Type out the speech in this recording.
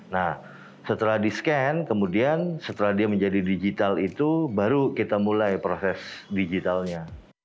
nah setelah di scan kemudian setelah dia menjadi digital itu baru kita mulai proses digitalnya